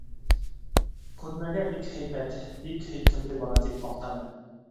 Күрмәгә бик һәйбәт, бик һөйкөмлө бала, — тип маҡтаны.